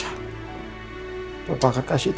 aku makin diri sendiri